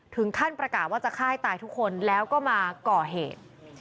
ประกาศว่าจะฆ่าให้ตายทุกคนแล้วก็มาก่อเหตุ